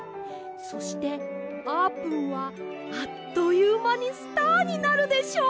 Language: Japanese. そしてあーぷんはあっというまにスターになるでしょう！